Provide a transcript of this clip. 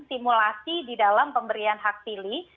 simulasi di dalam pemberian hak pilih